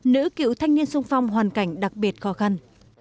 nữ cựu thanh niên sung phong hoàn cảnh đặc biệt khó khăn